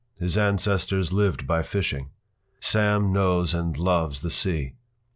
His ancestors lived by fishing. Sam knows and loves the sea.